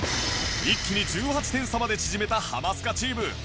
一気に１８点差まで縮めたハマスカチーム